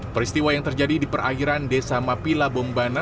peristiwa yang terjadi di perairan desa mapila bombana